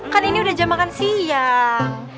kan ini udah jam makan siang